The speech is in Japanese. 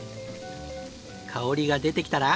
香りが出てきたら。